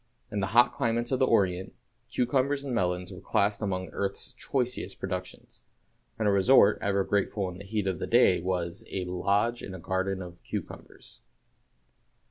In the hot climates of the Orient, cucumbers and melons were classed among earth's choicest productions; and a resort ever grateful in the heat of the day was "a lodge in a garden of cucumbers."